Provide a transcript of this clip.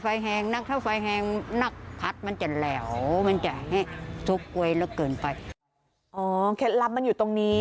โอ้โฮเคล็ดลำมันอยู่ตรงนี้